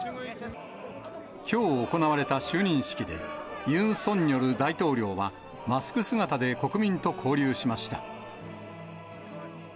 きょう行われた就任式で、ユン・ソンニョル大統領は、マスク姿で国民と交流しました。